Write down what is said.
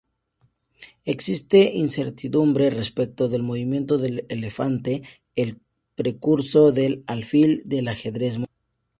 Existe incertidumbre respecto del movimiento del "elefante", el precursor del alfil del ajedrez moderno.